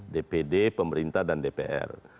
dpd pemerintah dan dpr